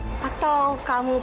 aku akan terus jaga kamu